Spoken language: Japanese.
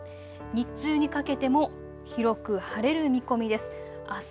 日中にかけても広く晴れる見込みです。